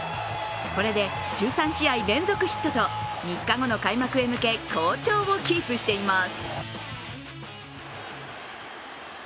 これで１３試合連続ヒットと３日後の開幕へ向け好調をキープしています。